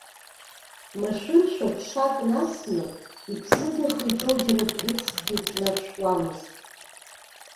Машәыршәа ԥшак насны, иԥсыдаха иҿоу џьара бӷьыцкгьы ҿнаршәауамызт.